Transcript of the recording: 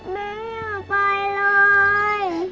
แม่อย่าไปเลย